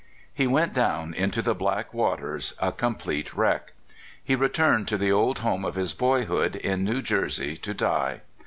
He went down into the black waters a complete wreck. He returned to the old home of his boyhood in New Jersey to die.